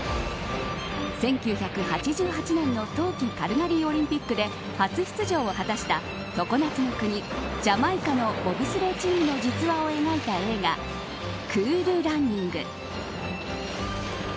１９８８年の冬季カルガリーオリンピックで初出場を果たした常夏の国、ジャマイカのボブスレーチームの実話を描いた映画クール・ランニング。